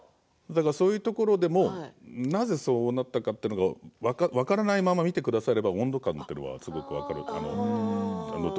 そういうところでもなぜそうなったのか分からないまま見てくだされば温度感というのが分かるかなと。